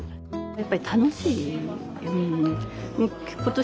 やっぱり楽しい。